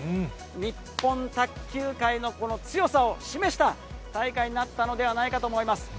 日本卓球界のこの強さを示した大会になったのではないかと思います。